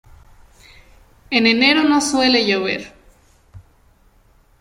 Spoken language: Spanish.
En enero no suele llover.